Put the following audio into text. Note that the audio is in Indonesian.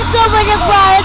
gue banyak balik